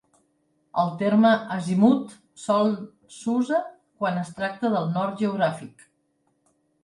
El terme azimut sols s'usa quan es tracta del nord geogràfic.